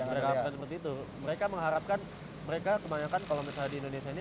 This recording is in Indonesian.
mereka harapkan seperti itu mereka mengharapkan mereka kebanyakan kalau misalnya di indonesia ini